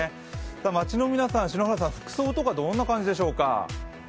街の皆さん、篠原さん、服装とかどんな感じでしょうか。